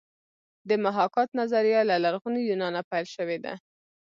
د محاکات نظریه له لرغوني یونانه پیل شوې ده